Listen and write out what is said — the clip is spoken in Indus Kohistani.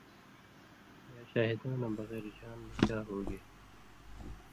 یا شاہِدؤں نہ بغیر ژھان٘ل (نِکاح) ہُوگے۔